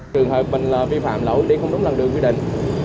trường hợp mình vi phạm lỗi đi không đúng làn đường quy định